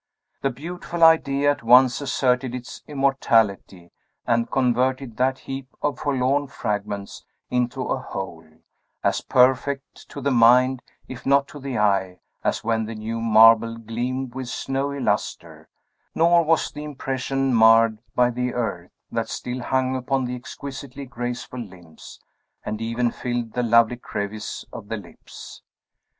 The beautiful Idea at once asserted its immortality, and converted that heap of forlorn fragments into a whole, as perfect to the mind, if not to the eye, as when the new marble gleamed with snowy lustre; nor was the impression marred by the earth that still hung upon the exquisitely graceful limbs, and even filled the lovely crevice of the lips.